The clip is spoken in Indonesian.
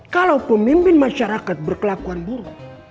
kalau pemimpin masyarakat berkelakuan buruk